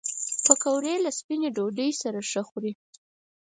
پکورې له سپینې ډوډۍ سره ښه خوري